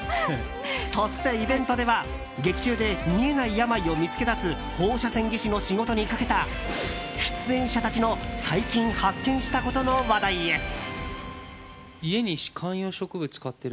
そしてイベントでは劇中で、見えない病を見つけ出す放射線技師の仕事にかけた出演者たちの最近、発見したことの話題へ。